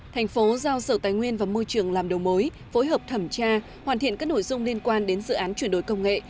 thành phố giao sở tài nguyên và môi trường làm đầu mối phối hợp thẩm tra hoàn thiện các nội dung liên quan đến dự án chuyển đổi công nghệ